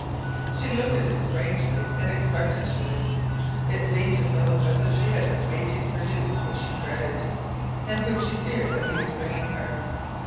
She looked at him strangely and expectantly. It seemed to Philip as if she had been waiting for news which she dreaded, and which she feared that he was bringing her.